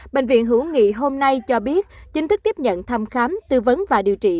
bệnh viện hữu nghị hôm nay cho biết chính thức tiếp nhận thăm khám tư vấn và điều trị